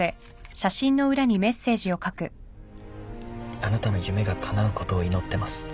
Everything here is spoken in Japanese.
「あなたの夢が叶うことを祈ってます」